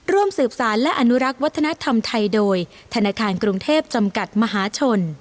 ร่วมสืบสารและอนุรักษ์วัฒนธรรมไทยโดยธนาคารกรุงเทพจำกัดมหาชน